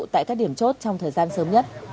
tại các điểm chốt trong thời gian sớm nhất